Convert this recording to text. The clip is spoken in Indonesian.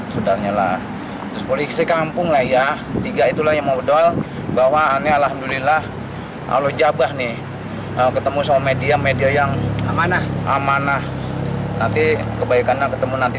sehingga sisa tanah milik orang tuanya bisa kembali